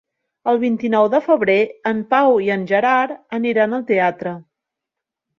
El vint-i-nou de febrer en Pau i en Gerard aniran al teatre.